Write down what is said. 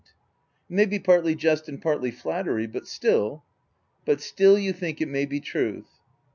It may be partly jest and partly flattery, but still " 312 THE TENANT " But still you think it may be truth?"